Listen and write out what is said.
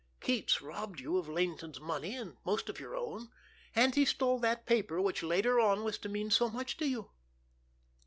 Keats robbed you of Laynton's money and most of your own, and he stole that paper which later on was to mean so much to you.